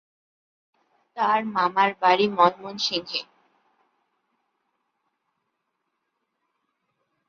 তার মামার বাড়ি ময়মনসিংহে।